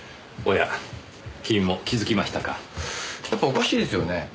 やっぱおかしいですよね。